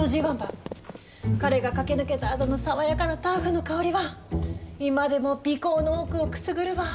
彼が駆け抜けたあとの爽やかなターフの香りは今でも鼻こうの奥をくすぐるわ。